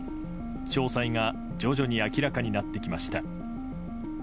詳細が徐々に明らかになってきました。